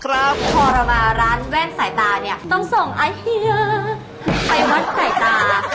พอเรามาร้านแว่นสายตาเนี่ยต้องส่งไอฮือไปวัดสายตา